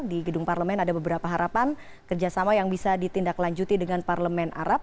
di gedung parlemen ada beberapa harapan kerjasama yang bisa ditindaklanjuti dengan parlemen arab